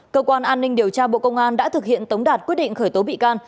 cơ quan an ninh điều tra bộ công an đã thực hiện tống đạt quyết định khởi tố bị can